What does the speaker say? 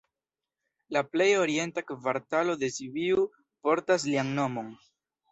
La plej orienta kvartalo de Sibiu portas lian nomon.